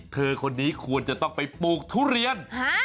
เธอคนนี้ควรจะต้องไปปลูกทุเรียน